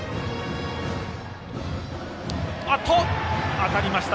当たりました。